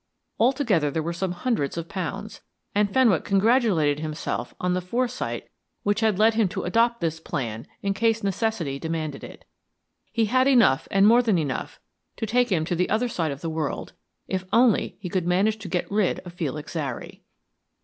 Altogether there were some hundreds of pounds, and Fenwick congratulated himself on the foresight which had led him to adopt this plan in case necessity demanded it. He had enough and more than enough to take him to the other side of the world, if only he could manage to get rid of Felix Zary.